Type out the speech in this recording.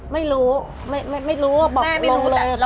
ไม่รู้ไม่รู้ว่าบอกลงเลย